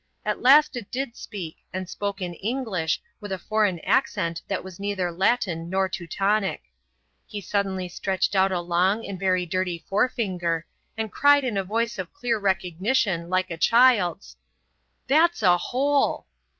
At last it did speak, and spoke in English, with a foreign accent that was neither Latin nor Teutonic. He suddenly stretched out a long and very dirty forefinger, and cried in a voice of clear recognition, like a child's: "That's a hole."